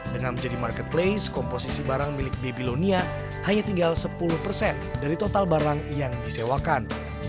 dengan menjadi marketplace komposisi barang milik babylonia hanya tinggal sepuluh persen dari total barang yang disewakan